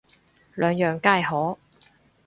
兩樣皆可